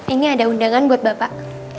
ini ada undangan buat bapak